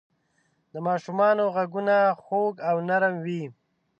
د ماشومانو ږغونه خوږ او نرم وي.